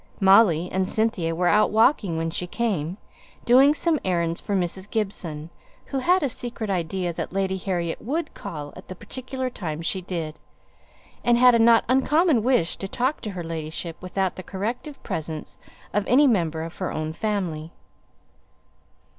Molly and Cynthia were out walking when she came doing some errands for Mrs. Gibson, who had a secret idea that Lady Harriet would call at the particular time she did, and had a not uncommon wish to talk to her ladyship without the corrective presence of any member of her own family.